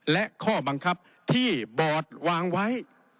และข้อบังคับที่บอร์ดวางไว้